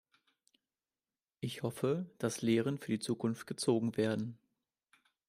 Ich hoffe, dass Lehren für die Zukunft gezogen werden.